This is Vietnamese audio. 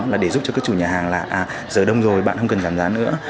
mà để giúp cho các chủ nhà hàng là giờ đông rồi bạn không cần giảm giá nữa